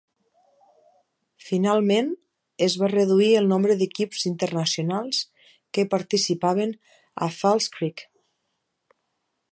Finalment, es va reduir el nombre d'equips internacionals que participaven a False Creek.